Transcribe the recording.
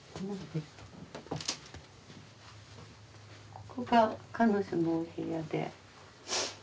ここが彼女のお部屋で。